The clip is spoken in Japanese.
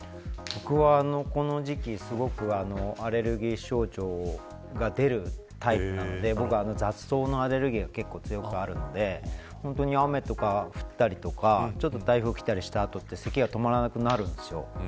僕は、この時期、すごくアレルギー症状が出るタイプなので僕は雑草のアレルギーが結構強くあるので雨が降ったりとかちょっと台風が来たりした後はせきが止まらなくなるんです。